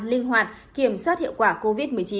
linh hoạt kiểm soát hiệu quả covid một mươi chín